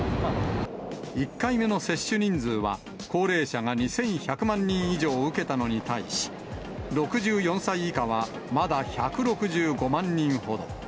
１回目の接種人数は、高齢者が２１００万人以上受けたのに対し、６４歳以下はまだ１６５万人ほど。